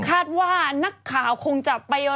คาดว่านักข่าวคงจะไปรอ